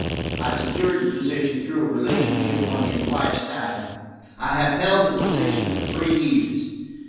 "I secured the position through a relationship on his wife's side. I have held the position for three years.